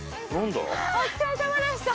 ・お疲れさまでした。